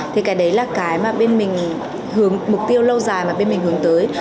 thì cái đấy là cái mà bên mình hướng mục tiêu lâu dài mà bên mình hướng tới